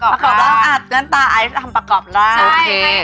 ประกอบร่างอาจเงินตาไอ้ทำประกอบร่าง